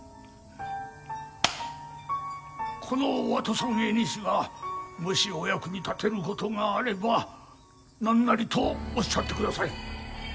このワトソン江西がもしお役に立てる事があればなんなりとおっしゃってください。